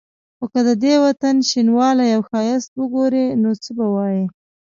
خو که د دې وطن شینوالی او ښایست وګوري نو څه به وايي.